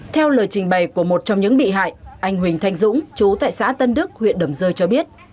theo lời trình bày của một trong những bị hại anh huỳnh thanh dũng chú tại xã tân đức huyện đầm rơi cho biết